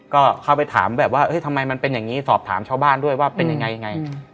ก็เข้าไปถามแบบว่าทำไมมันเป็นอย่างนี้สอบถามชาวบ้านด้วยว่าเป็นยังไง